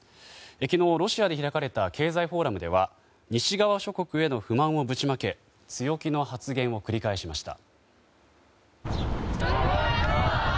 昨日、ロシアで開かれた経済フォーラムでは西側諸国への不満をぶちまけ強気の発言を繰り返しました。